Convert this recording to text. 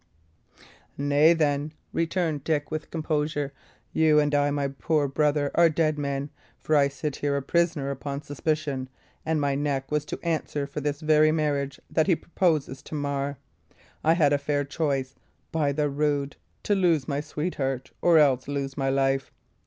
"Nay, then," returned Dick, with composure, "you and I, my poor brother, are dead men; for I sit here a prisoner upon suspicion, and my neck was to answer for this very marriage that he purposeth to mar. I had a fair choice, by the rood! to lose my sweetheart or else lose my life!